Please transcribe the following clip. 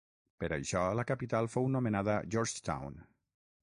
Per això, la capital fou nomenada Georgetown.